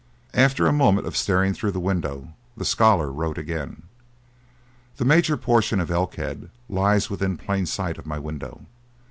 After a moment of staring through the window the scholar wrote again: "The major portion of Elkhead lies within plain sight of my window.